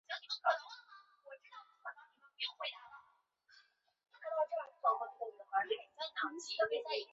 富久町是东京都新宿区的町名。